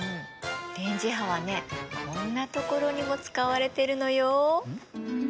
電磁波はねこんな所にも使われてるのよ。